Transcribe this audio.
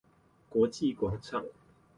國際廣場